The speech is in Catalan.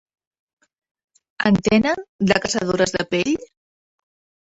En tenen, de caçadores de pell?